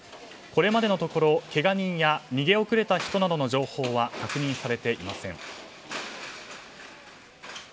これまでのところ、けが人や逃げ遅れた人などの情報は確認されていません。